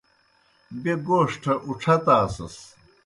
بیْہ گوݜٹھہ اُڇھتاسَس۔